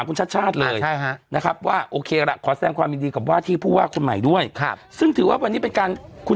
คุณวิโรตกับคุณอัศวินเนี่ยเขาลงพื้นที่พร้อมกันเลย